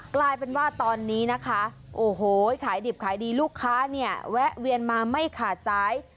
กลายเป็นว่าตอนนี้นะคะโอ้โหขายดิบขายดีลูกค้าเนี่ยแวะเวียนมาไม่ขาดสาย